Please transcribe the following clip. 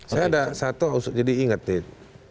saya ada satu jadi ingat tid